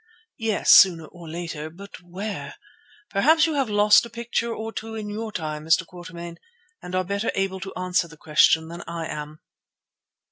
"Yes, sooner or later. But where? Perhaps you have lost a picture or two in your time, Mr. Quatermain, and are better able to answer the question than I am."